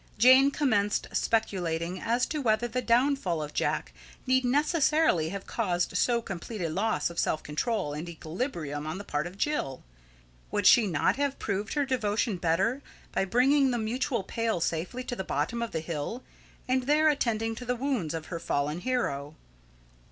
Jane commenced speculating as to whether the downfall of Jack need necessarily have caused so complete a loss of self control and equilibrium on the part of Jill. Would she not have proved her devotion better by bringing the mutual pail safely to the bottom of the hill, and there attending to the wounds of her fallen hero?